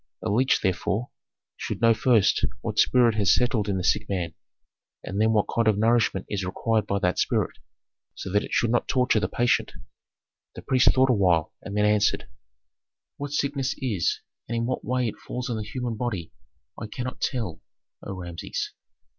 A leech, therefore, should know first what spirit has settled in the sick man, and then what kind of nourishment is required by that spirit, so that it should not torture the patient." The priest thought awhile and then answered, "What sickness is and in what way it falls on the human body, I cannot tell, O Rameses.